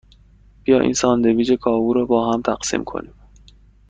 بیا این ساندویچ کاهو را باهم تقسیم کنیم.